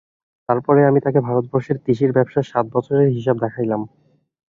তার পরে আমি তাকে ভারতবর্ষের তিসির ব্যবসার সাত বছরের হিসাব দেখাইলাম।